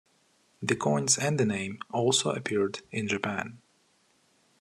The coins and the name also appeared in Japan.